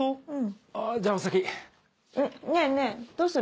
ねぇねぇどうする？